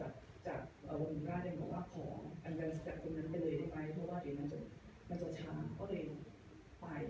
และต้องขอแอบแบลันซ์จากตัวนั้นไปเลยได้ไหมเพราะว่ามันจะช้าและก็เร็วไป